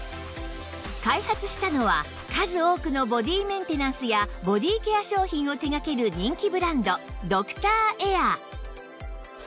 開発したのは数多くのボディーメンテナンスやボディーケア商品を手掛ける人気ブランドドクターエア